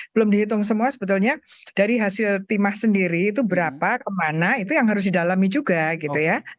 belum dihitung semua sebetulnya dari hasil timah sendiri itu berapa kemana itu yang harus didalami juga gitu ya